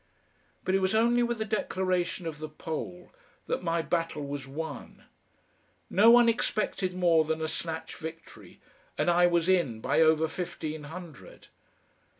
But it was only with the declaration of the poll that my battle was won. No one expected more than a snatch victory, and I was in by over fifteen hundred.